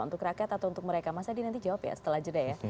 untuk rakyat atau untuk mereka mas adi nanti jawab ya setelah jeda ya